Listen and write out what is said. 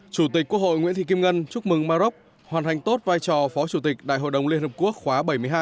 chủ tịch quốc hội nguyễn thị kim ngân chúc mừng maroc hoàn thành tốt vai trò phó chủ tịch đại hội đồng liên hợp quốc khóa bảy mươi hai